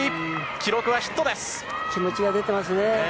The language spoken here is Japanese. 気持ちが出てますね。